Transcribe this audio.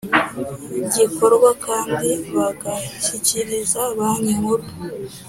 gikorwa kandi bagashyikiriza Banki Nkuru